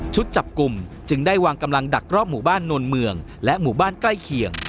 จับกลุ่มจึงได้วางกำลังดักรอบหมู่บ้านนวลเมืองและหมู่บ้านใกล้เคียง